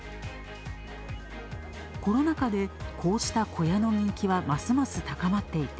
コロナ禍でこうした小屋の人気はますます高まっていて、